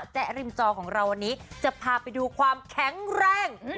ริมจอของเราวันนี้จะพาไปดูความแข็งแรง